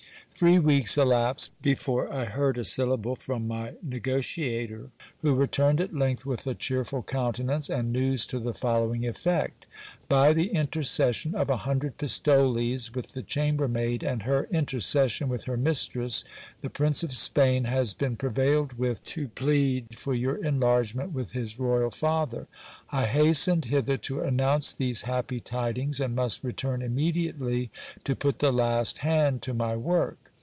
Three weeks elapsed before I heard a syllable from my negotiator, who returned at length with a cheerful countenance, and news to the following effect : By the intercession of a hundred pistoles with the chambermaid, and her intercession with her mistress, the Prince of Spain has been prevailed with to plead for your enlargement with his royal father. I hastened hither to announce these happy tidings, and must return immediately to put the last hand to my work.